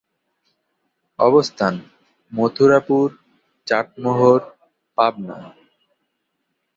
অবস্থান: মথুরাপুর, চাটমোহর, পাবনা।